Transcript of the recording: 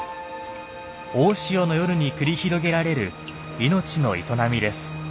大潮の夜に繰り広げられる命の営みです。